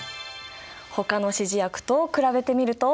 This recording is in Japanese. ほかの指示薬と比べてみると。